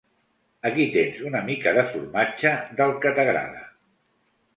Aquí tens una mica de formatge del que t'agrada.